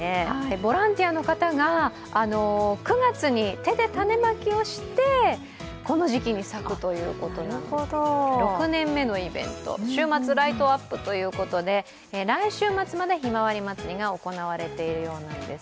ボランティアの方が９月に手で種まきをしてこの時期に咲くということで、６年目のイベント、週末、ライトアップということで、来週末までひまわり祭りが行われているようです。